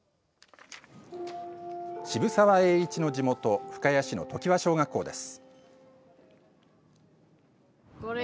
渋沢栄一の地元深谷市の常盤小学校です。